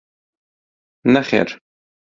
نەخێر.